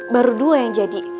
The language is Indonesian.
baru dua yang jadi